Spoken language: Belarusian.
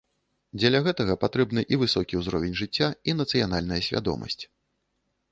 Дзеля гэтага патрэбны і высокі ўзровень жыцця, і нацыянальная свядомасць.